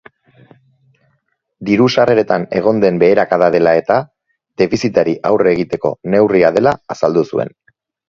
Diru-sarreretan egon den beherakada dela-eta, defizitari aurre egiteko neurria dela azaldu zuen.